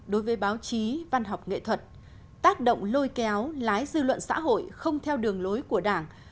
đối với báo chí văn học nghệ thuật tác động lôi kéo lái dư luận xã hội không theo đường lối của đảng